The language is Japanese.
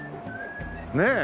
ねえ。